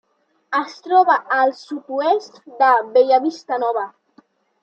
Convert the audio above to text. Es troba al sud-oest de Bellavista Nova.